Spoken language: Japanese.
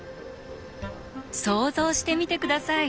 想像してみて下さい。